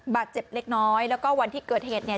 บาดเจ็บเล็กน้อยแล้วก็วันที่เกิดเหตุเนี่ย